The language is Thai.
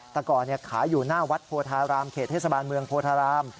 แต่ก่อนขายอยู่หน้าวัดโพธาราม